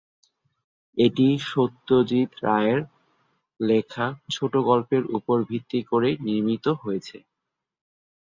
এটি সত্যজিৎ রায়ের লেখা ছোটগল্পের উপর ভিত্তি করে নির্মিত হয়েছে।